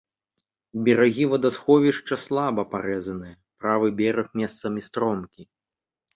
Берагі вадасховішча слаба парэзаныя, правы бераг месцамі стромкі.